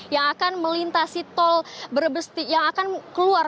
yang akan melintasi tol brebes timur